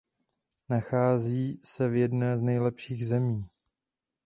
Nachází se v jedné z nejlepších zemí.